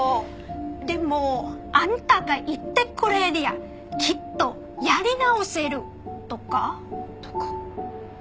でも「あんたがいてくれりゃきっとやり直せる」とか。とか。